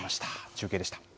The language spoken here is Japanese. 中継でした。